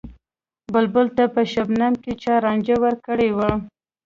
بلبل ته په شبنم کــــې چا رانجه ور کـــړي وو